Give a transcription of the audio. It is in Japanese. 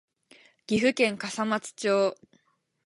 岐阜県笠松町